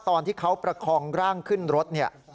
ตอนที่เขาประคองร่างขึ้นรถเนี่ย